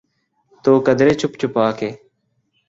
تو قدرے چھپ چھپا کے۔